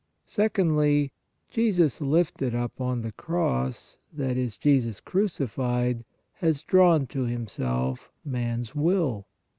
2. Secondly, Jesus lifted up on the cross, that is Jesus crucified, has drawn to Himself MAN S WILL.